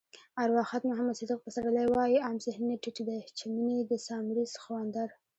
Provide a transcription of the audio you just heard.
ارواښاد محمد صدیق پسرلی وایي: عام ذهنيت ټيټ دی چې مني د سامري سخوندر.